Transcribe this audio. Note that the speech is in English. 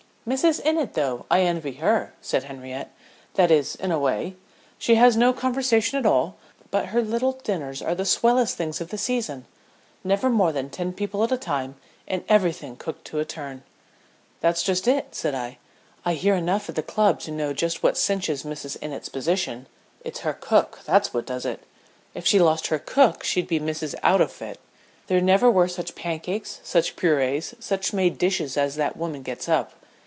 "Mrs. Innitt, though I envy her," said Henriette; "that is, in a way. She has no conversation at all, but her little dinners are the swellest things of the season. Never more than ten people at a time and everything cooked to a turn." "That's just it," said I. "I hear enough at the club to know just what cinches Mrs. Innitt's position. It's her cook, that's what does it. If she lost her cook she'd be Mrs. Outofit. There never were such pancakes, such purées, such made dishes as that woman gets up.